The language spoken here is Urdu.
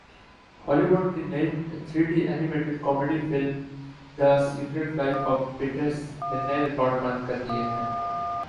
ہالی وڈ کی نئی three D animated comedy film The Secret Life of Pets نے نئے ریکارڈز قائم کر دیے ہیں